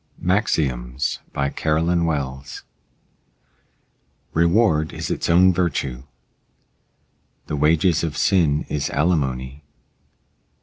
MAXIOMS BY CAROLYN WELLS Reward is its own virtue. The wages of sin is alimony.